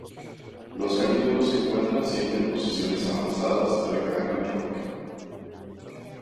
Los carnívoros se encuentran siempre en posiciones avanzadas de la cadena trófica.